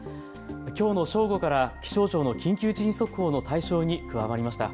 きょうの正午から気象庁の緊急地震速報の対象に加わりました。